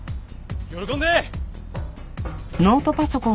喜んで！